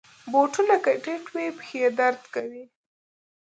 بوټونه که ټیټ وي، پښې درد کوي.